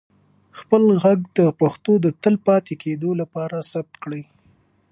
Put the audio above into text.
خپل ږغ د پښتو د تلپاتې کېدو لپاره ثبت کړئ.